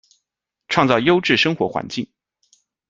创造优质生活环境